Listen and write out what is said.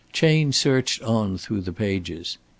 Chayne searched on through the pages.